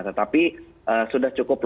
tetapi sudah cukup lokal